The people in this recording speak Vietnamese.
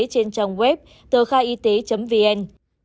trên trang web tờkhaiyt vn